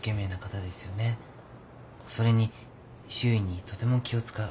それに周囲にとても気を遣う。